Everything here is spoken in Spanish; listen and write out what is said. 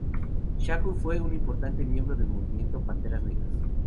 Shakur fue un importante miembro del movimiento Panteras Negras.